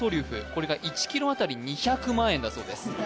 これが１ｋｇあたり２００万円だそうです